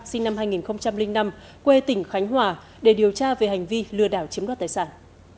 sinh năm hai nghìn năm quê tỉnh khánh hòa để điều tra về hành vi lừa đảo chiếm đoạt tài sản